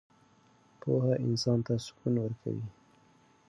پوهه انسان ته سکون ورکوي.